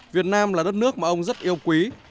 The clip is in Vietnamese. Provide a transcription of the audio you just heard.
việt nam là đất nước mà ông rất yêu quý